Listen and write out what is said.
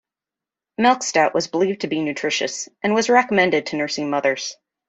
Milk stout was believed to be nutritious, and was recommended to nursing mothers.